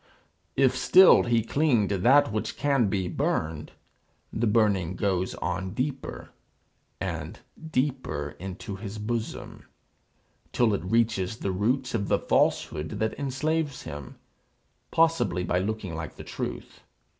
If still he cling to that which can be burned, the burning goes on deeper and deeper into his bosom, till it reaches the roots of the falsehood that enslaves him possibly by looking like the truth.